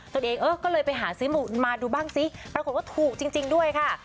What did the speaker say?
ตัวเองเออก็เลยไปหาซื้อมาดูบ้างซิปรากฏว่าถูกจริงด้วยค่ะ